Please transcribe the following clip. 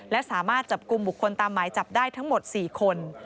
และสามารถจับกลุ่มบุคคลตามหมายจับได้ทั้งหมด๔คน